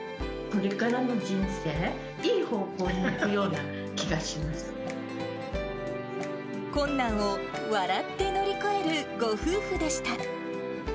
これからの人生、困難を笑って乗り越えるご夫婦でした。